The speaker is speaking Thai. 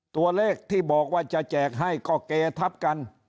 ตัวเลขที่บอกว่าจะแจกให้ก็เกทับกัน